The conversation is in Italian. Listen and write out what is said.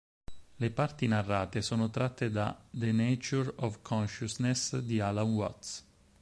Le parti narrate sono tratte da "The Nature of Consciousness" di Alan Watts.